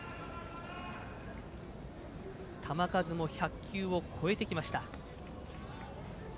球数も１００球を超えてきました。